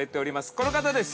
この方です。